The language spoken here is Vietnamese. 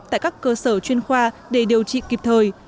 tại các cơ sở chuyên khoa để điều trị kịp thời